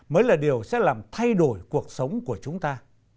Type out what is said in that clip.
mới là điều sẽ làm thay đổi cuộc sống của chúng ta